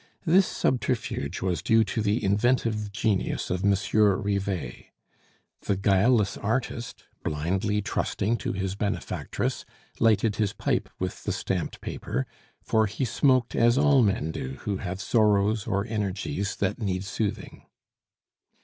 This subterfuge was due to the inventive genius of Monsieur Rivet. The guileless artist, blindly trusting to his benefactress, lighted his pipe with the stamped paper, for he smoked as all men do who have sorrows or energies that need soothing.